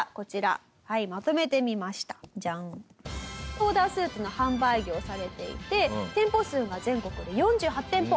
オーダースーツの販売業をされていて店舗数が全国で４８店舗。